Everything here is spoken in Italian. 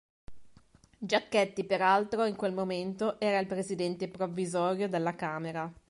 Giachetti, peraltro, in quel momento era il Presidente provvisorio della Camera.